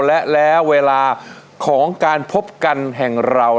และแล้วเวลาของการพบกันแห่งเรา